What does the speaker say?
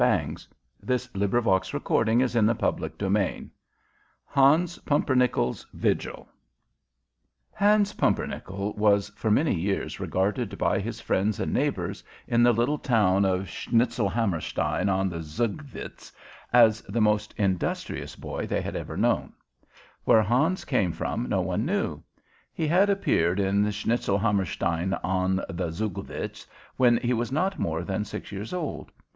Hans Pumpernickel's Vigil Hans Pumpernickel's Vigil [Illustration: Decorative H] ans Pumpernickel was for many years regarded by his friends and neighbors in the little town of Schnitzelhammerstein on the Zugvitz as the most industrious boy they had ever known. Where Hans came from no one knew. He had appeared in Schnitzelhammerstein on the Zugvitz when he was not more than six years old.